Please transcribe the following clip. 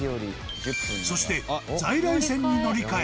そして、在来線に乗り換え